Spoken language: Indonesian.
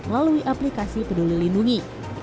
melalui aplikasi peduli lindungi